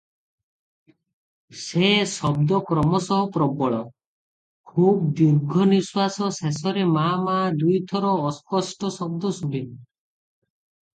ସେ ଶବ୍ଦ କ୍ରମଶଃ ପ୍ରବଳ, ଖୁବ ଦୀର୍ଘନିଶ୍ୱାସ, ଶେଷରେ ମା’ ମା’ ଦୁଇଥର ଅସ୍ପଷ୍ଟ ଶବ୍ଦ ଶୁଭିଲା ।